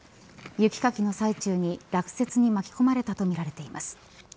雪かきの最中に落雪に巻き込まれたとみられています。